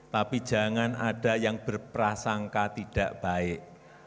tapi jangan ada yang berprasangka tidak baik